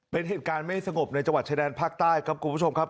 เป็นเหตุการณ์ไม่สงบในจังหวัดชายแดนภาคใต้ครับคุณผู้ชมครับ